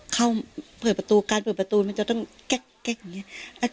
เข้าเปิดประตูการเปิดประตูมันจะต้องแก๊กอย่างนี้